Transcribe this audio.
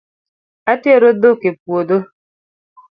Atero dhok e puodho